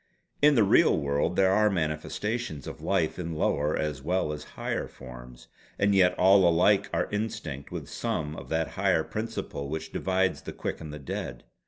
In the real world there are manifestations of life in lower as well as higher forms; and yet all alike are instinct with some of that higher principle which divides the quick and the dead.